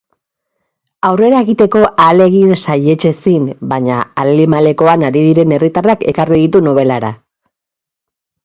Aurrera egiteko ahalegin saihetsezin baina alimalekoan ari diren herritarrak ekarri ditu nobelara.